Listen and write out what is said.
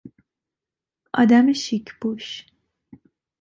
آدم شیک پوش